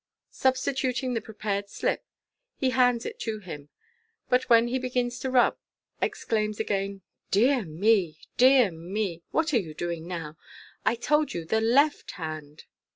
Substituting the prepared slip, he hands it to him ; but, when he begins to rub, exclaims again, " Dear me, dear me ! what are you doing now ? I told you the left hand.